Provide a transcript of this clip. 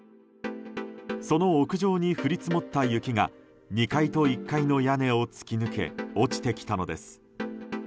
その屋上に降り積もった雪が２階と１階の屋根を突き抜け落ちてきたのです。